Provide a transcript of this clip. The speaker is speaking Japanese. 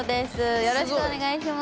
よろしくお願いします。